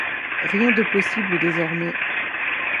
Rien de possible désormais.